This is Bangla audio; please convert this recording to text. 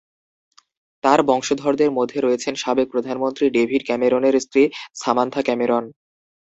তার বংশধরদের মধ্যে রয়েছেন সাবেক প্রধানমন্ত্রী ডেভিড ক্যামেরনের স্ত্রী সামান্থা ক্যামেরন।